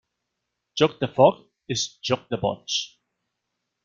Joc de foc és joc de boig.